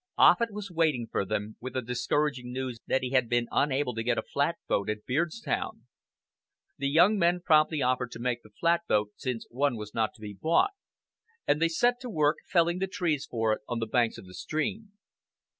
Offut was waiting for them, with the discouraging news that he had been unable to get a flatboat at Beardstown. The young men promptly offered to make the flatboat, since one was not to be bought; and they set to work, felling the trees for it on the banks of the stream.